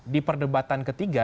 di perdebatan ketiga